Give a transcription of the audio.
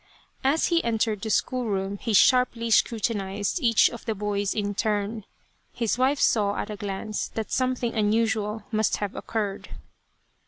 As he entered the school room he sharply scrutinized each of the boys in turn. His wife saw at a glance that something unusual must have occurred.